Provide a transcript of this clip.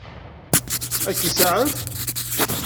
Ad k-isaɛef?